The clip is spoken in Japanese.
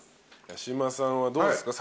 八嶋さんはどうですか？